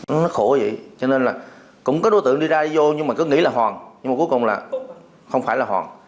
nó khổ vậy cho nên là cũng có đối tượng đi ra vô nhưng mà cứ nghĩ là hòn nhưng mà cuối cùng là không phải là hòn